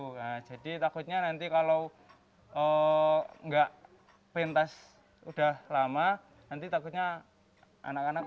nah jadi takutnya nanti kalau nggak pentas udah lama nanti takutnya anak anak